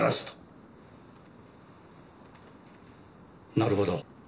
なるほど。